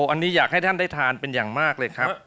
อันนี้อยากให้ท่านได้ทานเป็นอย่างมากเลยครับ